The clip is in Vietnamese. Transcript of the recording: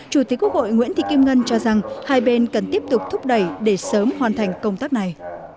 chủ tịch quốc hội nguyễn thị kim ngân cho rằng hai bên cần tiếp tục thúc đẩy để sớm hoàn thành công tác này